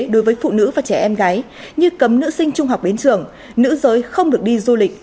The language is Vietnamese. đối với phụ nữ và trẻ em gái như cấm nữ sinh trung học đến trường nữ giới không được đi du lịch